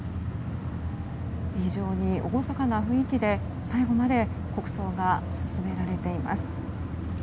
非常に厳かな雰囲気で最後まで国葬が進められています。